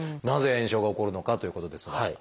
なぜ炎症が起こるのかということですが。